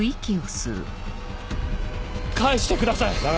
返してください！